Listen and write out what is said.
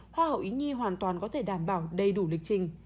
hoa hậu ý nhi hoàn toàn có thể đảm bảo đầy đủ lịch trình